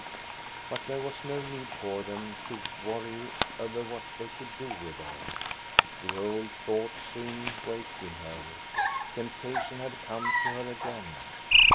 But there was no need for them to worry over what they should do with her. The old thought soon waked in her. Temptation had come to her again.